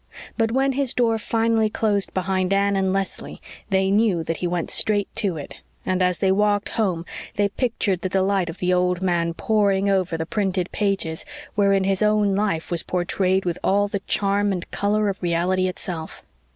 But when his door finally closed behind Anne and Leslie they knew that he went straight to it, and as they walked home they pictured the delight of the old man poring over the printed pages wherein his own life was portrayed with all the charm and color of reality itself.